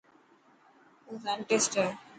تون سانٽسٽ هي.